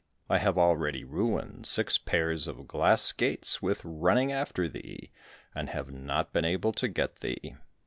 I have already ruined six pairs of glass skates with running after thee, and have not been able to get thee."